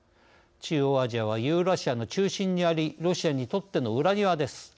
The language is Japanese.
中央アジアはユーラシアの中心にありロシアにとっての裏庭です。